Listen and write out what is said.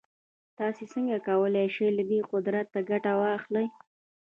تاسې څنګه کولای شئ له دې قدرته ګټه واخلئ.